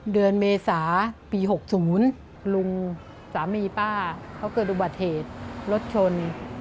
เดือนเมษาปี๖๐ลุงสามีป้าเขาเกิดอุบัติเหตุรถชน